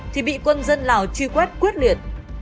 thì bị quân dân lào truy quét quyết liệt